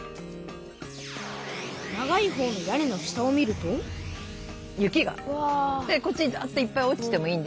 長いほうの屋根の下を見ると雪がこっちにダッといっぱい落ちてもいいんですよ。